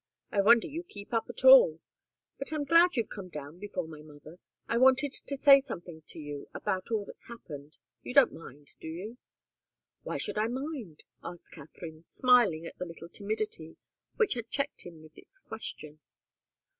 I wonder you keep up at all. But I'm glad you've come down before my mother. I wanted to say something to you about all that's happened. You don't mind, do you?" "Why should I mind?" asked Katharine, smiling at the little timidity which had checked him with its question.